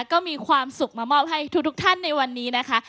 ก็มีความสุขมามอบให้ทุกท่านในวันนี้นะคะ